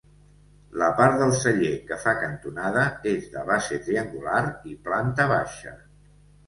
La part del celler, que fa cantonada, és de base triangular i planta baixa.